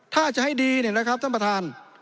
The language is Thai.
ถ้าจะให้ดีเนี่ยนะครับท่านประธาน